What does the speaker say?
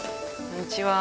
こんにちは。